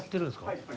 はい。